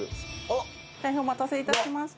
大変お待たせ致しました。